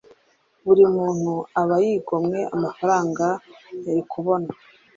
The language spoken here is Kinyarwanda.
buri muntu aba yigomwe amafaranga yari kubona,